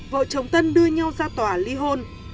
vợ chồng tân đưa nhau ra tòa ly hôn